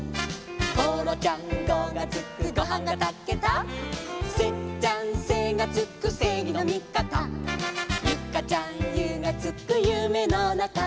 「ごろちゃんごがつくごはんがたけた」「せっちゃんせがつく正義の味方」「ゆかちゃんゆがつく夢の中」